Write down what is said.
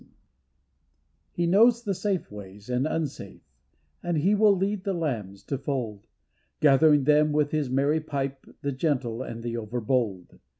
PAN He knows the safe ways and unsafe And he will lead the lambs to fold, Gathering them with his merry pipe, The gentle and the overbold.